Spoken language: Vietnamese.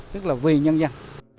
tức là vì nhân dân